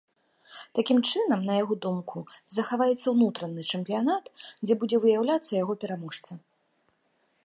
Такім чынам, на яго думку, захаваецца ўнутраны чэмпіянат, дзе будзе выяўляцца яго пераможца.